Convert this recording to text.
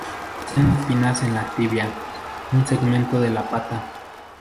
Poseen espinas en la tibia, un segmento de la pata.